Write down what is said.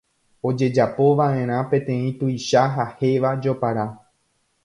ojejapova'erã peteĩ tuicha ha héva jopara